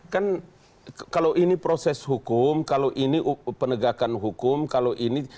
kan kalau ini proses hukum kalau ini penegakan hukum kalau ini